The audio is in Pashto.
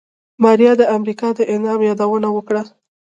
ماريا د امريکا د انعام يادونه وکړه.